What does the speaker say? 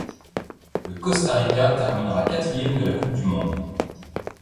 Le Costa Rica terminera quatrième de la Coupe du monde.